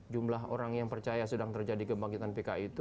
jumlah orang yang percaya sedang terjadi kebangkitan pki itu